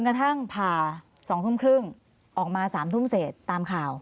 กระทั่งผ่า๒ทุ่มครึ่งออกมา๓ทุ่มเสร็จตามข่าว